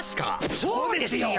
そうですよ！